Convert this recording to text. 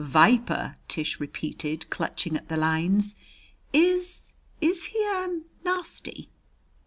"Viper!" Tish repeated, clutching at the lines. "Is is he er nasty?"